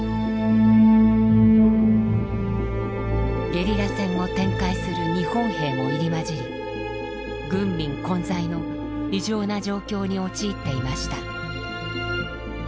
ゲリラ戦を展開する日本兵も入り交じり軍民混在の異常な状況に陥っていました。